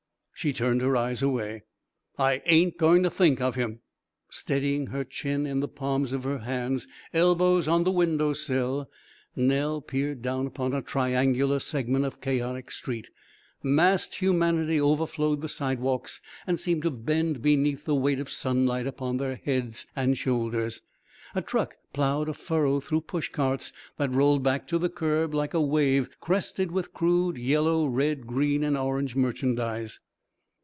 She turned her eyes away. "I ain't going to think of him." Steadying her chin in the palms of her hands, elbows on the window sill, Nell peered down upon a triangular segment of chaotic street. Massed humanity overflowed the sidewalks and seemed to bend beneath the weight of sunlight upon their heads and shoulders. A truck ploughed a furrow through push carts that rolled back to the curb like a wave crested with crude yellow, red, green, and orange merchandise.